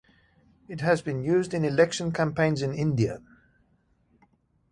It has been used in election campaigns in India.